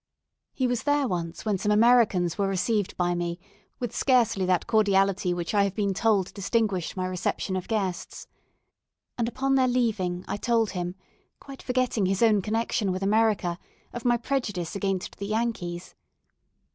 He was there once when some Americans were received by me with scarcely that cordiality which I have been told distinguished my reception of guests; and upon their leaving I told him quite forgetting his own connection with America of my prejudice against the Yankees.